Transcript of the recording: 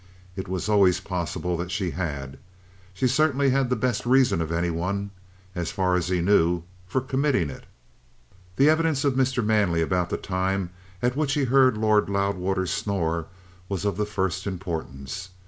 It was always possible that she had. She certainly had the best reasons of any one, as far as he knew, for committing it. The evidence of Mr. Manley about the time at which he heard Lord Loudwater snore was of the first importance.